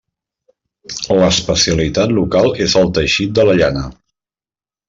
L'especialitat local és el teixit de la llana.